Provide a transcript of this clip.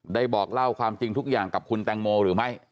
บอกเล่าความจริงทุกอย่างกับคุณแตงโมหรือไม่